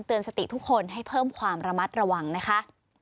สติทุกคนให้เพิ่มความระมัดระวังนะคะ